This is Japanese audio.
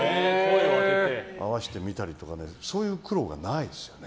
合わせて見たりとかそういう苦労がないですよね。